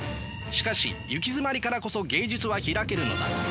しかしゆきづまりからこそ芸術は開けるのだ。